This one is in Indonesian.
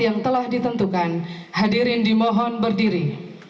yang telah ditentukan hadirin di mohon berdiri